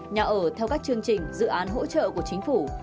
nhà ở theo các chương trình dự án hỗ trợ của chính phủ